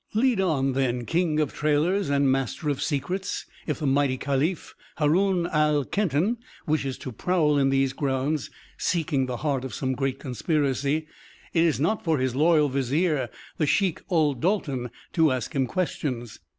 "Lead on, then, King of Trailers and Master of Secrets! If the mighty Caliph, Haroun al Kenton, wishes to prowl in these grounds, seeking the heart of some great conspiracy, it is not for his loyal vizier, the Sheikh Ul Dalton to ask him questions."